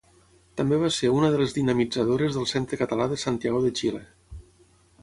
També va ser una de les dinamitzadores del Centre Català de Santiago de Xile.